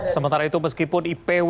sementara itu meskipun ipw